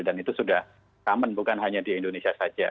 dan itu sudah common bukan hanya di indonesia saja